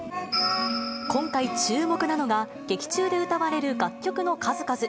今回、注目なのが、劇中で歌われる楽曲の数々。